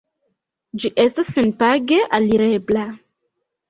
Ĝi estas senpage alirebla.